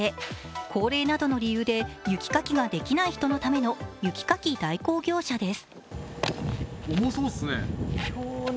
高齢などの理由で雪かきができない人のための雪かき代行業者です。